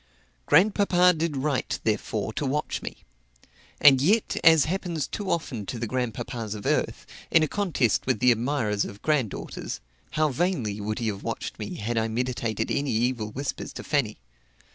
Grandpapa did right, therefore, to watch me. And yet, as happens too often to the grandpapas of earth, in a contest with the admirers of granddaughters, how vainly would he have watched me had I meditated any evil whispers to Fanny!